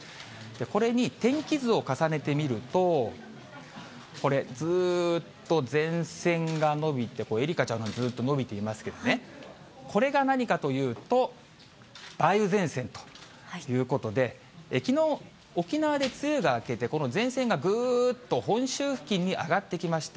これに天気図を重ねてみると、これ、ずーっと前線が延びて、愛花ちゃんのほうにずーっと延びていますけどね、これが何かというと、梅雨前線ということで、きのう、沖縄で梅雨が明けて、この前線がぐーっと本州付近に上がってきました。